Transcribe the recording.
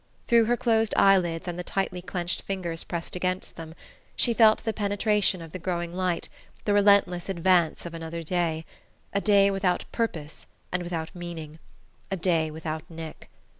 Through her closed eyelids and the tightly clenched fingers pressed against them, she felt the penetration of the growing light, the relentless advance of another day a day without purpose and without meaning a day without Nick.